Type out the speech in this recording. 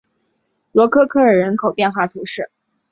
罗科科尔人口变化图示